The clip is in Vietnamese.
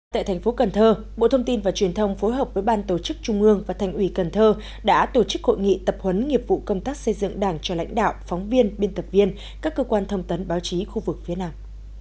tại thành phố cần thơ bộ thông tin và truyền thông phối hợp với ban tổ chức trung ương và thành ủy cần thơ đã tổ chức hội nghị tập huấn nghiệp vụ công tác xây dựng đảng cho lãnh đạo phóng viên biên tập viên các cơ quan thông tấn báo chí khu vực phía nam